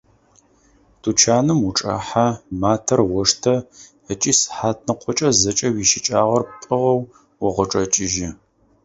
Тучаным учӏэхьэ, матэр оштэ ыкӏи сыхьатныкъокӏэ зэкӏэ уищыкӏагъэр пӏыгъэу укъычӏэкӏыжьы.